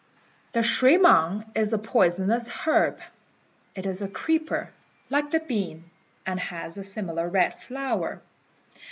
The shui mang is a poisonous herb. It is a creeper, like the bean, and has a similar red flower.